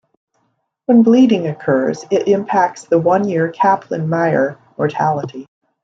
When bleeding occurs, it impacts the one year Kaplan-Meier mortality.